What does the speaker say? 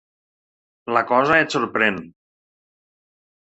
La cosa et sorprèn.